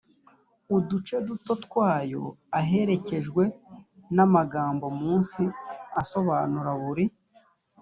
uduce duto twayo aherekejwe n amagambo munsi asobanura buri